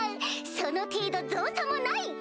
その程度造作もない！